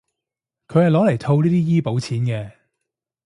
佢係攞嚟套呢啲醫保錢嘅